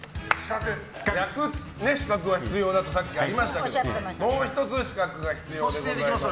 焼く資格が必要だとさっき言いましたがもう１つ資格が必要でございます。